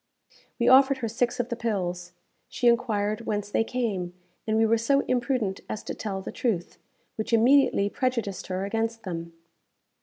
We offered her six of the pills. She enquired whence they came, and we were so imprudent as to tell the truth, which immediately prejudiced her against them.